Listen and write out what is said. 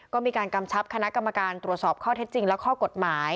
ก็มีการกำชับคณะกรรมการตรวจสอบข้อเท็จจริงและข้อกฎหมาย